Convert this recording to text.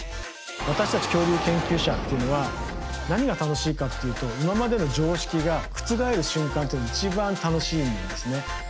私たち恐竜研究者っていうのは何が楽しいかっていうと今までの常識が覆る瞬間っていうのが一番楽しいんですね。